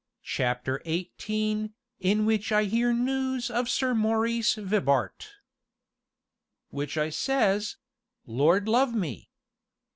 CHAPTER XVIII IN WHICH I HEAR NEWS OF SIR MAURICE VIBART "Which I says Lord love me!"